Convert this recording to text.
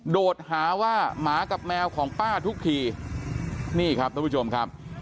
โดดหาว่าหมากับแมวของป้าทุกทีนี่ครับท่านผู้ชมครับ